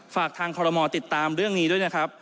ฝากทางคอรมอลติดตามเรื่องนี้ด้วยนะครับ